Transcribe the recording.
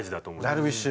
ダルビッシュ。